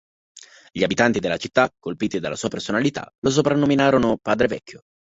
Gli abitanti della città, colpiti dalla sua personalità, lo soprannominarono "Padre Vecchio".